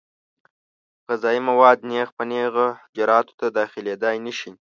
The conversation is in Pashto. غذایي مواد نېغ په نېغه حجراتو ته داخلېدای نشي.